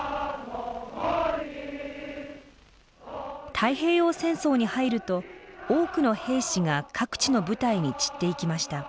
太平洋戦争に入ると多くの兵士が各地の部隊に散っていきました。